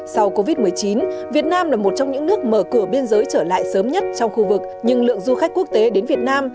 sau covid một mươi chín việt nam là một trong những nước mở cửa biên giới trở lại sớm nhất trong khu vực nhưng lượng du khách quốc tế đến việt nam